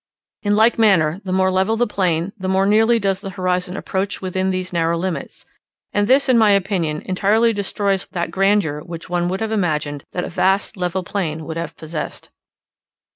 In like manner, the more level the plain, the more nearly does the horizon approach within these narrow limits; and this, in my opinion, entirely destroys that grandeur which one would have imagined that a vast level plain would have possessed.